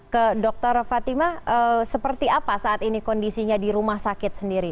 ke dr fatima seperti apa saat ini kondisinya di rumah sakit sendiri